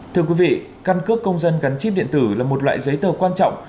thưa quý vị căn cước công dân gắn chip điện tử là một loại giấy tờ quan trọng